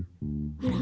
あら。